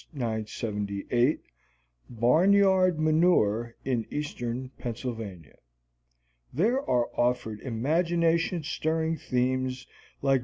978, "Barnyard Manure in Eastern Pennsylvania," there are offered imagination stirring themes like No.